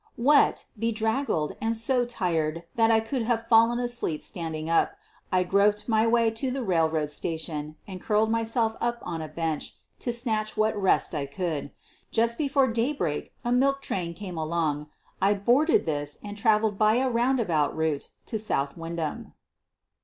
Wet, bedraggled, and so tired that I could have fallen asleep standing up, I groped my way to the railroad station and curled myself up on a bench to snatch what rest I could. Just before daybreak a milk train came along. I boarded this and trav eled by a roundabout route to South Windham.